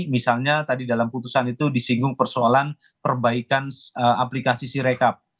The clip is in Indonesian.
misalnya tadi dalam putusan itu disinggung persoalan perbaikan aplikasi sirekap